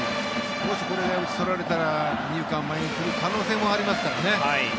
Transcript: もしこれが打ち取られたら二遊間、前に来る可能性もありますからね。